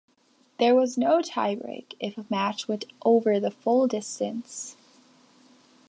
There was no tie-break if a match went over the full distance.